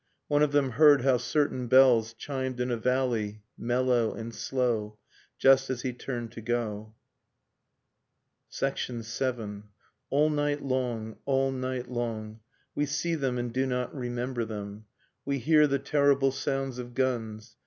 .. One of them heard how certain bells Chimed in a valley, mellow and slow% Just as he turned to go ... VII. All night long, all night long, We see them and do not remember them, We hear the terrible sounds of guns.